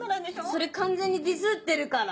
それ完全にディスってるから！